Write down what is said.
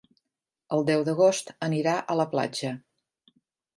El deu d'agost anirà a la platja.